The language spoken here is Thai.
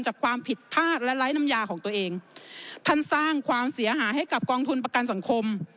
จากความผิดพลาดและไร้น้ำยาของตัวเองท่านสร้างความเสียหายให้กับกองทุนประกันสังคม